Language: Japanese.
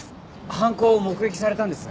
犯行を目撃されたんですね？